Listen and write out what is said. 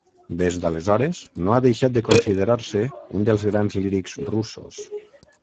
Des d'aleshores, no ha deixat de considerar-se un dels grans lírics russos.